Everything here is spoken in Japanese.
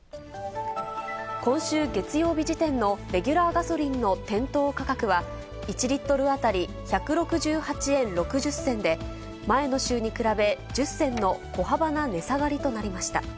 今週月曜日時点のレギュラーガソリンの店頭価格は、１リットル当たり１６８円６０銭で、前の週に比べ、１０銭の小幅な値下がりとなりました。